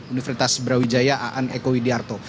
universitas brawijaya a n eko widyarto